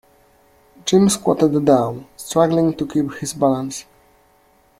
Jim squatted down, struggling to keep his balance.